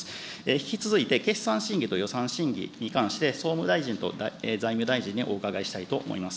引き続いて、決算審議と予算審議に関して、総務大臣と財務大臣にお伺いしたいと思います。